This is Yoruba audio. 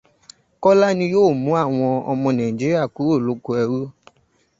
Kọ́lá ni yóò mú ọmọ Nàíjíríà kúrò lóko ẹrú.